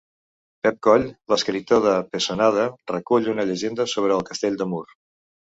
Pep Coll, l'escriptor de Pessonada, recull una llegenda sobre el castell de Mur.